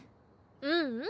ううん。